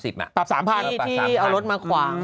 ปรับ๓๐๐๐บาทที่เอารถมาขวาปรับ๓๐๐๐บาท